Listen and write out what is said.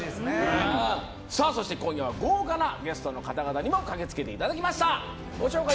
そして今夜は豪華なゲストの方々にも駆けつけていただきました。